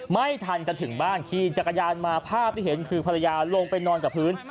ไม่ทันจะถึงบ้านขี่จักรยานมาภาพที่เห็นคือภรรยาลงไปนอนกับพื้น